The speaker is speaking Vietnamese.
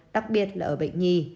đặc biệt là ở bệnh nhi